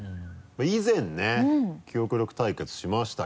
以前ね記憶力対決しましたけども。